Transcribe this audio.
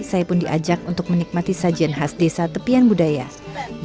saya pun diajak untuk menikmati sajian khas desa tepian budaya